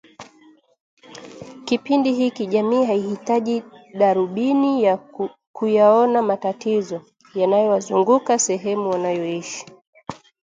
Kipindi hiki jamii haihitaji darubini kuyaona matatizo yanayowazunguka sehemu wanayoishi